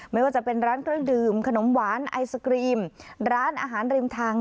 ไม่ว่าจะเป็นร้านเครื่องดื่มขนมหวานไอศกรีมร้านอาหารริมทาง